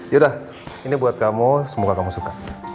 yaudah ini buat kamu semoga kamu suka